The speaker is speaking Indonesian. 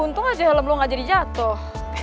untung aja helm lo nggak jadi jatoh